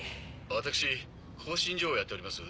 私興信所をやっております